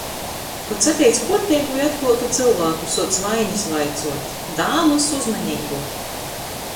Kod sateic kuorteigu i atkluotu cylvāku, suoc vainis vaicuot... Dāmys, uzmaneibu!